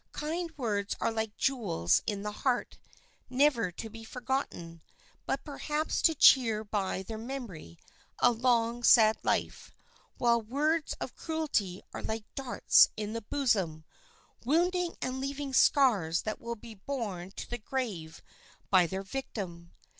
Kind words are like jewels in the heart, never to be forgotten, but perhaps to cheer by their memory a long, sad life, while words of cruelty are like darts in the bosom, wounding and leaving scars that will be borne to the grave by their victim.